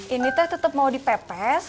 ini teh tetap mau dipepes